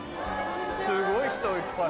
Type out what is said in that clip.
すごい人いっぱい。